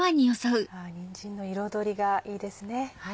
にんじんの彩りがいいですね。